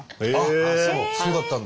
そうだったんだ。